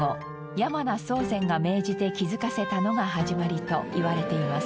山名宗全が命じて築かせたのが始まりといわれています。